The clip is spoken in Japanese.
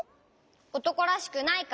おとこらしくないから！